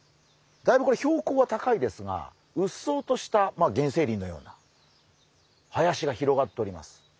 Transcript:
だいぶ標高が高いですがうっそうとした原生林のような林が広がっております。